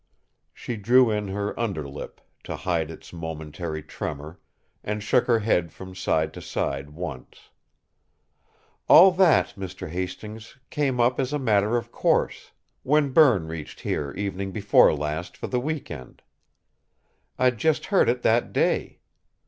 She drew in her under lip, to hide its momentary tremour, and shook her head from side to side once. "All that, Mr. Hastings, came up, as a matter of course, when Berne reached here evening before last for the week end. I'd just heard it that day.